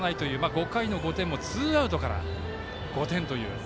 ５回の５点もツーアウトから、５点という。